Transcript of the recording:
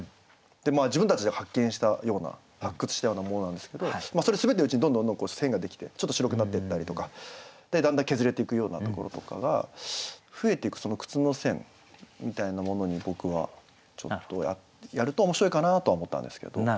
自分たちで発見したような発掘したようなものなんですけどそれ滑ってるうちにどんどん線が出来てちょっと白くなってったりとかだんだん削れていくようなところとかが増えていくその靴の線みたいなものに僕はちょっとやると面白いかなとは思ったんですけど。